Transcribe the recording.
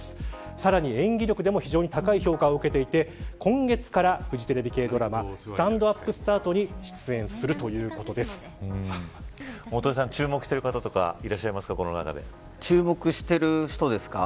さらに演技力でも高い評価を受けていて今月からフジテレビ系ドラマスタンドＵＰスタートに出演する注目してる方とか注目している人ですか。